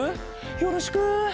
よろしく。